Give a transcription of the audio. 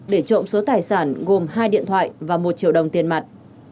để trộm số tài sản gồm hai điện thoại và một triệu đồng tiền mặt